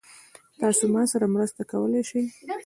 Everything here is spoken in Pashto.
تاسو ما سره مرسته کولی شئ؟